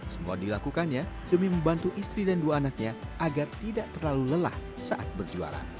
semua dilakukannya demi membantu istri dan dua anaknya agar tidak terlalu lelah saat berjualan